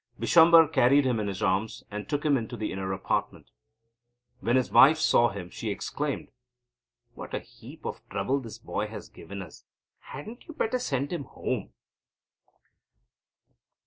Bishamber carried him in his arms, and took him into the inner apartments. When his wife saw him, she exclaimed; "What a heap of trouble this boy has given us. Hadn't you better send him home?"